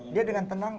dia dengan tenang